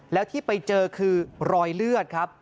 แล้วที่ไปเจอคือรอยเลือดครับ